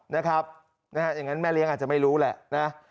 นะครับอย่างนั้นแม่เลี้ยงอาจจะไม่รู้แหละนะ